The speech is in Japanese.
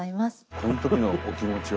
この時のお気持ちは？